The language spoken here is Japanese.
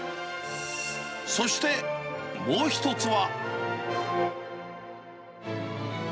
そしてもう１つは。